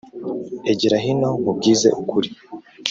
Egera hino nkubwize ukuri